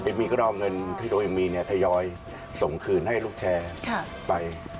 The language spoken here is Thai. บีก็ต้องเอาเงินที่ตัวเองมีเนี่ยทยอยส่งคืนให้ลูกแชร์ไป